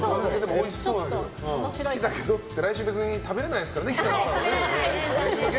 好きだけどって言っても来週別に食べれないですからね。